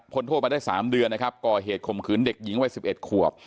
คนโทษมาได้สามเดือนนะครับก่อเหตุข่มขืนเด็กหญิงไว้สิบเอ็ดขัวบ